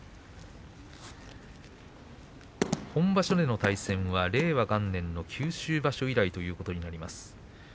本場所での対戦は令和元年の九州場所以来ということになります。